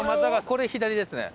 これ左ですね。